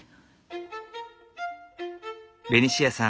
ベニシアさん